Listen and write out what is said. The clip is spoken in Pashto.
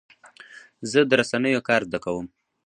زه د رسنیو کار زده کوم.